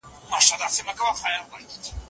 حق ته تسلیمېدل زموږ د نېکمرغۍ سبب ګرځي.